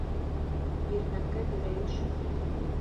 Биргәнгә бирәйеш